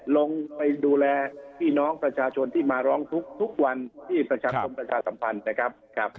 ลงไปดูแลพี่น้องประชาชนที่มาร้องทุกวันที่ประชาชนประชาสัมพันธ์นะครับ